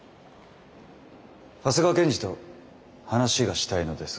長谷川検事と話がしたいのですが。